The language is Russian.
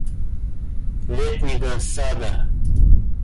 Летнего Сада.